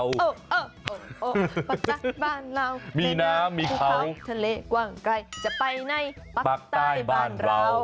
ประจักษ์บ้านเรามีน้ำมีช้างทะเลกว้างไกลจะไปในภาคใต้บ้านเรา